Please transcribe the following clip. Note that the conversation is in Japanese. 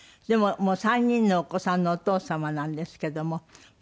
でも３人のお子さんのお父様なんですけども。